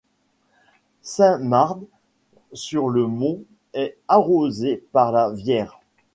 Saint-Mard-sur-le-Mont est arrosé par la Vière.